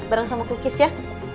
bareng sama kugis ya